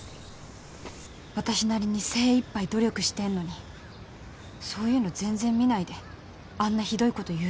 私なりに精いっぱい努力してんのにそういうの全然見ないであんなひどいこと言う人